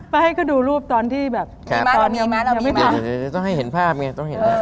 ไปให้เขาดูรูปตอนที่แบบยังไม่ฟังต้องให้เห็นภาพไงต้องเห็นภาพ